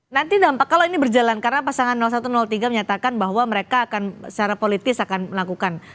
nanti dampak kalau ini berjalan karena pasangan satu tiga menyatakan bahwa mereka akan secara politis akan melakukan